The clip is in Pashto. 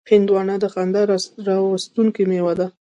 هندوانه د خندا راوستونکې میوه ده.